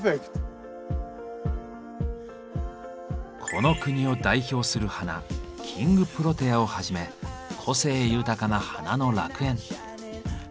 この国を代表する花「キングプロテア」をはじめ個性豊かな花の楽園。